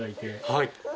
はい。